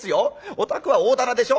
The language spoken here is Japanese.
お宅は大店でしょ？